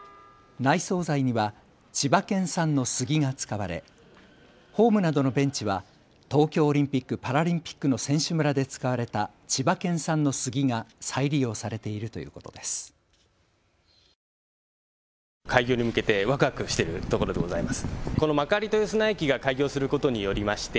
内装材には千葉県産のスギが使われホームなどのベンチは東京オリンピック・パラリンピックの選手村で使われた千葉県産のスギが再利用されているということです。